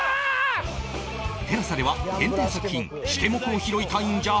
ＴＥＬＡＳＡ では限定作品シケモクを拾いたいんじゃ！！配信中！